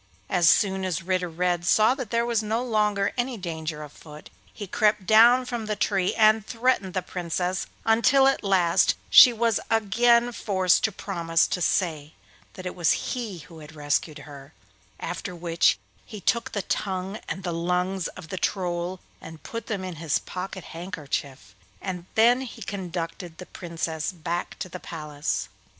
As soon as Ritter Red saw that there was no longer any danger afoot, he crept down from the tree and threatened the Princess, until at last she was again forced to promise to say that it was he who had rescued her; after which he took the tongue and the lungs of the Troll and put them in his pocket handkerchief, and then he conducted the Princess back to the palace.